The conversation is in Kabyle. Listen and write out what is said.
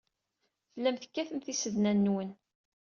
Tellam tekkatem tisednan-nwen.